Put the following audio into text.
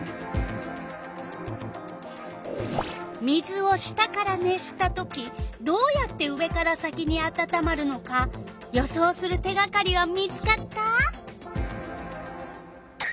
水を下から熱したときどうやって上から先にあたたまるのか予想する手がかりは見つかった？